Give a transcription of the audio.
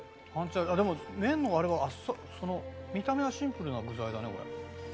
でも麺のあれはあっさり見た目はシンプルな具材だねこれ。